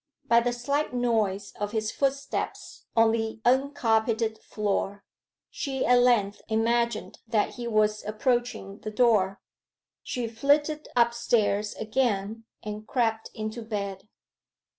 By the slight noise of his footsteps on the uncarpeted floor, she at length imagined that he was approaching the door. She flitted upstairs again and crept into bed.